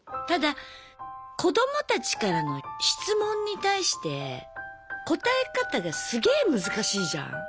ただ子どもたちからの質問に対して答え方がすげえ難しいじゃん。